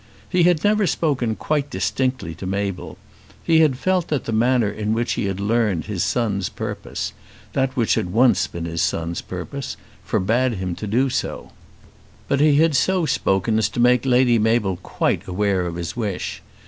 He had never spoken quite distinctly to Mabel. He had felt that the manner in which he had learned his son's purpose, that which once had been his son's purpose, forbade him to do so. But he had so spoken as to make Lady Mabel quite aware of his wish.